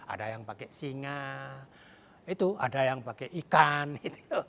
ada yang pakai singa itu ada yang pakai ikan gitu